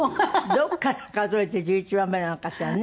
どこから数えて１１番目なのかしらね？